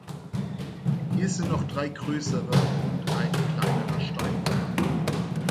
Hier sind noch drei größere und ein kleinerer Stein vorhanden.